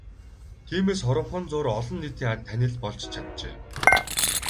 Тиймээс хоромхон зуур олон нийтийн танил болж чаджээ.